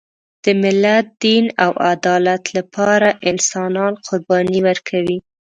د ملت، دین او عدالت لپاره انسانان قرباني ورکوي.